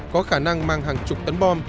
có khả năng mang hàng chục tấn bom